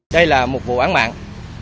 đây là một vụ án mạng